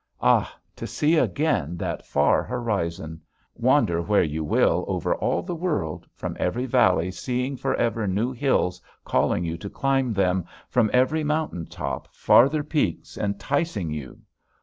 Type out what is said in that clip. Ah, to see again that far horizon! Wander where you will over all the world, from every valley seeing forever new hills calling you to climb them, from every mountain top farther peaks enticing you.